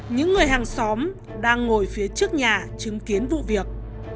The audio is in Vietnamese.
những người hàng xóm đang ngồi phía trước nhà chứng kiến vụ việc